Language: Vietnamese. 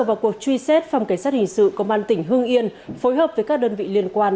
vào cuộc truy xét phòng cảnh sát hình sự công an tỉnh hưng yên phối hợp với các đơn vị liên quan